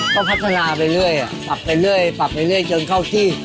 ก็พัฒนาไปเรื่อยปรับไปเรื่อยปรับไปเรื่อยจนเข้าที่